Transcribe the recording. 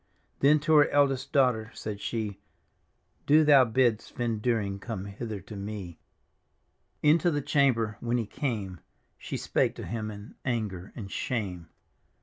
Then to her eldest daughter said she, " Do thou bid Svend Dyring come hither to me," Into the chamber when he came She spake to him in anger and shame.